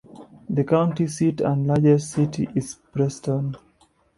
The county seat and largest city is Preston.